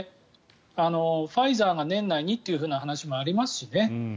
ファイザーが年内にという話もありますしね。